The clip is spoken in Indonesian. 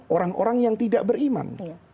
orang orang yang tidak beriman